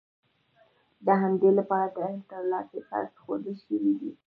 د همدې لپاره د علم ترلاسی فرض ښودل شوی دی.